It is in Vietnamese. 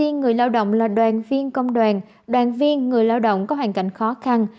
viên người lao động là đoàn viên công đoàn đoàn viên người lao động có hoàn cảnh khó khăn